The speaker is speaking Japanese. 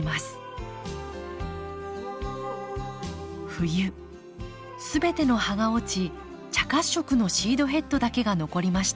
冬全ての葉が落ち茶褐色のシードヘッドだけが残りました。